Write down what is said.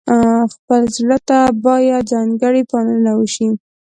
خپل زړه ته باید ځانګړې پاملرنه وشي.